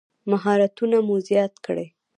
مهارتونه مو زیات کړئ